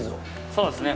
そうですね。